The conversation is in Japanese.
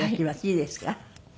いいですか？